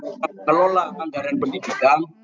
kita bisa mengelola anggaran pendidikan